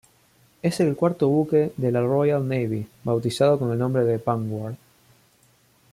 Es el cuarto buque de la Royal Navy bautizado con el nombre de "Vanguard".